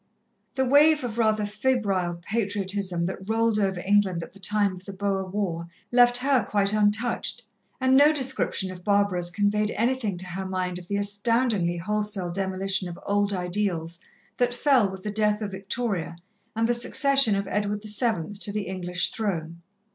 The wave of rather febrile patriotism that rolled over England at the time of the Boer War, left her quite untouched, and no description of Barbara's conveyed anything to her mind of the astoundingly wholesale demolition of old ideals that fell with the death of Victoria, and the succession of Edward VII to the English throne.